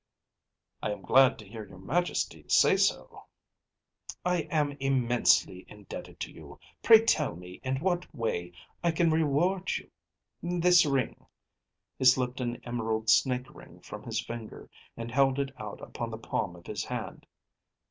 ‚ÄĚ “I am glad to hear your Majesty say so.‚ÄĚ “I am immensely indebted to you. Pray tell me in what way I can reward you. This ring‚ÄĒ‚ÄĚ He slipped an emerald snake ring from his finger and held it out upon the palm of his hand.